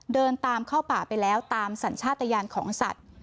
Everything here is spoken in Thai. เดินตามเข้าป่าไปแล้วตามสัญชาติยานของสัตว์